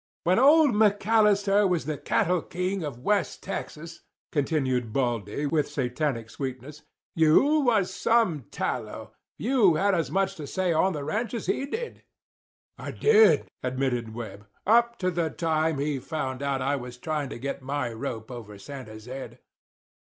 "When old McAllister was the cattle king of West Texas," continued Baldy with Satanic sweetness, "you was some tallow. You had as much to say on the ranch as he did." "I did," admitted Webb, "up to the time he found out I was tryin' to get my rope over Santa's head.